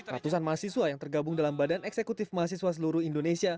ratusan mahasiswa yang tergabung dalam badan eksekutif mahasiswa seluruh indonesia